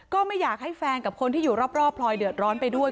ก็ไม่อยากให้แฟนกับคนที่อยู่รอบพลอยเดือดร้อนไปด้วย